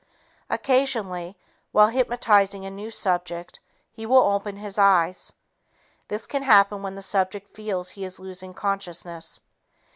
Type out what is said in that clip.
Occasionally, while hypnotizing a new subject, he will open his eyes. This can happen when the subject feels he is losing consciousness.